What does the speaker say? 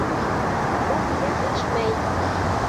Ул һиңә килешмәй!